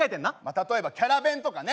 例えばキャラ弁とかね。